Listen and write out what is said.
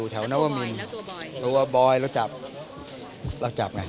ตัวบอยจะจับไง